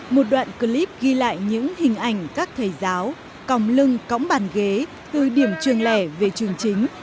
một đoạn clip ghi lại những hình ảnh các thầy giáo còng lưng cõng bàn ghế từ điểm trường lẻ về trường chính